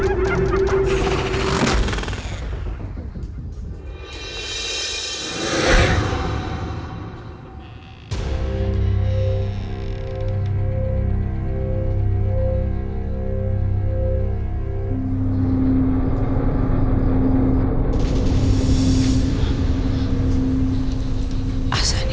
oh tepung turunan